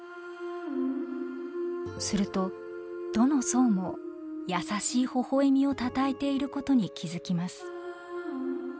するとどの像も優しいほほえみをたたえていることに気付きます。